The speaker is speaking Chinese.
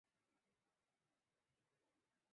柴胡状斑膜芹是伞形科斑膜芹属的植物。